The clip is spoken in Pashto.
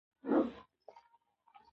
لکه زرکه چي پر لاره سي روانه